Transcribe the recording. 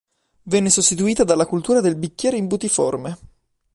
Venne sostituita dalla cultura del bicchiere imbutiforme.